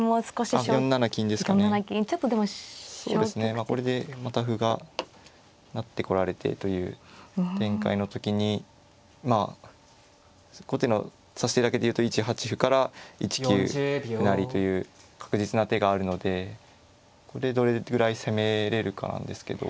まあこれでまた歩が成ってこられてという展開の時にまあ後手の指し手だけで言うと１八歩から１九歩成という確実な手があるのでこれでどれぐらい攻めれるかなんですけど。